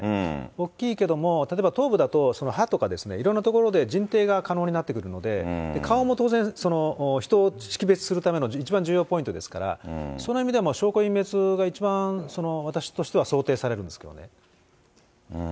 大きいけども、例えば頭部だと歯とか、いろんなところで人定が可能になってくるので、顔も当然、人を識別するための一番重要ポイントですから、その意味でも証拠隠滅が一番私としては想定されるんですけどね。